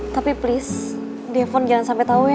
tapi please dihepon jangan sampe tau ya